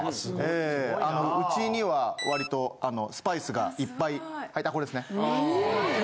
ええうちには割とスパイスがいっぱいこれですね。